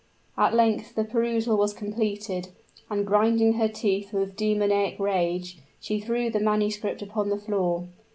At length the perusal was completed; and grinding her teeth with demoniac rage, she threw the manuscript upon the floor.